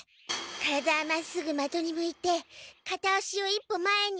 体はまっすぐまとに向いてかた足を一歩前に。